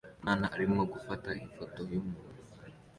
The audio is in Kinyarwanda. Umwana arimo gufata ifoto yumuntu